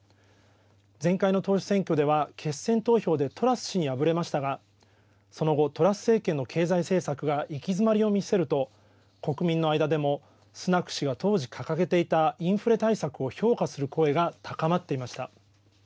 前回の党首選挙では決選投票でトラス氏に敗れましたが、その後、トラス政権の経済政策が行き詰まりを見せると、国民の間でもスナク氏が当時掲げていたインフレ対策を評価する声が高まっていました。